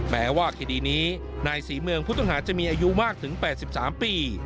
แม้ว่าคดีนี้นายศรีเมืองผู้ต้องหาจะมีอายุมากถึง๘๓ปี